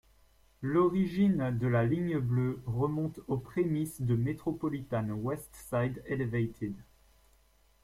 L’origine de la ligne bleue remonte aux prémices de Metropolitan West Side Elevated.